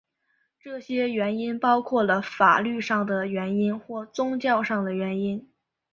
这些原因包括了法律上的原因或宗教上的原因。